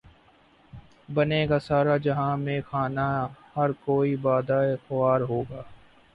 بنے گا سارا جہان مے خانہ ہر کوئی بادہ خوار ہوگا